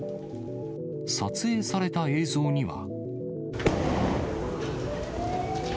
撮影された映像には。